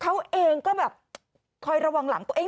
เขาเองก็แบบคอยระวังหลังตัวเอง